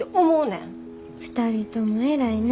２人とも偉いなぁ。